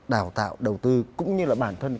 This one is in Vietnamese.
đào tạo đầu tư cũng như là bản thân